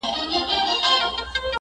تازه یادونو ته که جوړ کړمه تازه قبرونه